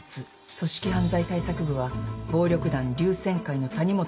組織犯罪対策部は暴力団龍千会の谷本隆